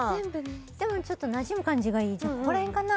でもちょっとなじむ感じがいいじゃここら辺かな？